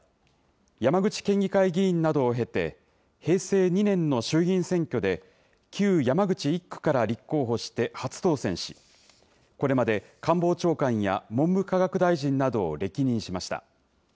山口県議会議員などを経て、平成２年の衆議院選挙で旧山口１区から立候補して初当選し、これまで官房長官や文部科学大臣などを歴任しました。